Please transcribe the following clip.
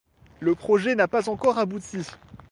Le projet n'a pas encore abouti.